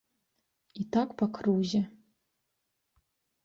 І так па крузе.